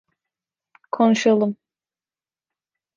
Konuşalım.